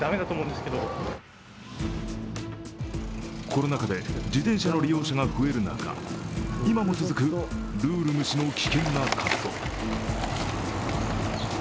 コロナ禍で自転車の利用者が増える中今も続くルール無視の危険な滑走。